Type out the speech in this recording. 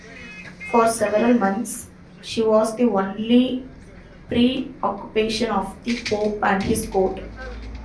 For several months, she was the only preoccupation of the Pope and his court.